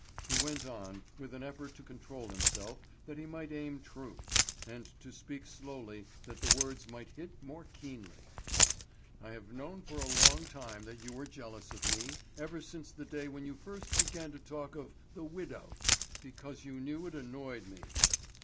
He went on, with an effort to control himself that he might aim true, and to speak slowly that the words might hit more keenly: "I have known for a long time that you were jealous of me, ever since the day when you first began to talk of 'the widow' because you knew it annoyed me."